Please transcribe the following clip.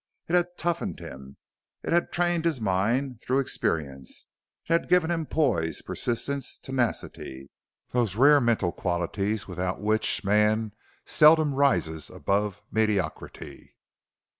It had toughened him; it had trained his mind through experience; it had given him poise, persistence, tenacity those rare mental qualities without which man seldom rises above mediocrity.